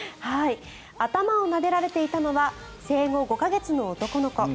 頭をなでられていたのは生後５か月の男の子。